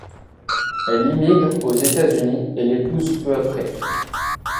Elle immigre aux États-Unis et l'épouse peu après.